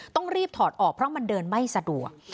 ต้องรีบถอดออกเพราะมันเดินไม่สะดวก